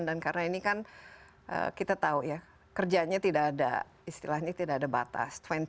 dan karena ini kan kita tahu ya kerjanya tidak ada istilahnya tidak ada batas